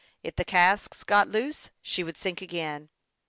If the casks got loose she would sink again.